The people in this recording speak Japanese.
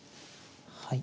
はい。